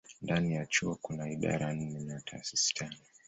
Ndani ya chuo kuna idara nne na taasisi tano.